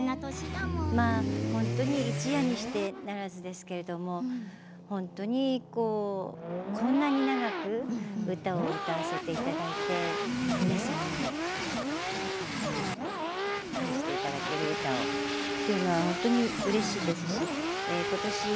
本当に一夜にしてならずですけれどこんなに長く歌を歌わせていただいて皆さんに愛していただける歌をというのは本当にうれしいですし。